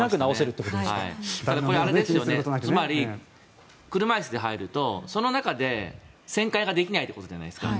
だけど、つまり車椅子で入るとその中で旋回ができないということじゃないですか。